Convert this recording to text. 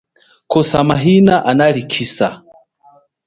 Kosa mahina analikhisa.